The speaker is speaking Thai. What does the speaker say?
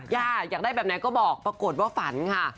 อยากได้แบบไหนก็บอกปรากฏว่าฝันค่ะ